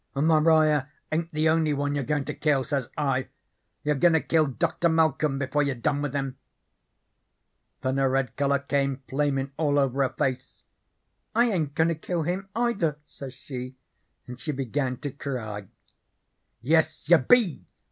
"'And Maria ain't the only one you're goin' to kill,' says I. 'You're goin' to kill Doctor Malcom before you're done with him.' "Then a red colour came flamin' all over her face. 'I ain't goin' to kill him, either,' says she, and she begun to cry. "'Yes, you BE!'